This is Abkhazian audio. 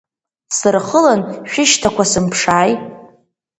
Сырхылан шәышьҭақәа сымԥшааи.